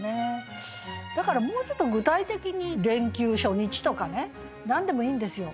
だからもうちょっと具体的に「連休初日」とかね何でもいいんですよ。